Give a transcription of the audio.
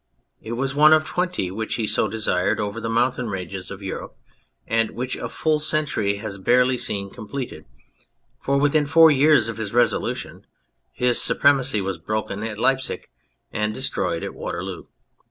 It was one of twenty which he so desired over the mountain ranges of Europe, and which a full century has barely seen completed ; for within four years of his resolution his supremacy was broken at Leipsic and destroyed at Waterloo.